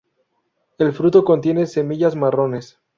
El fruto contiene semillas marrones.